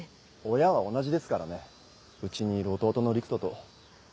親は同じですからねうちにいる弟の陸斗と。